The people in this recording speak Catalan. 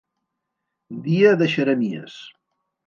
Dia de xeremies.